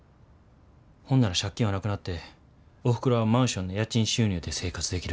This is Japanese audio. ほんなら借金はなくなっておふくろはマンションの家賃収入で生活できる。